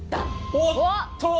おっと！